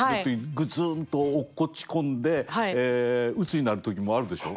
ブツンと落ち込んでうつになる時もあるでしょう？